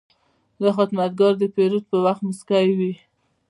دا خدمتګر د پیرود پر وخت موسکی وي.